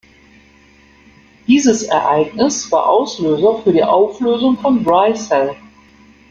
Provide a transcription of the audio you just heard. Dieses Ereignis war Auslöser für die Auflösung von Dry Cell.